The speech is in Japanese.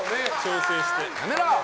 やめろ！